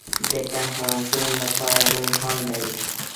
د کنفرانسونو لپاره لوی هال لري.